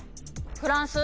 フランス？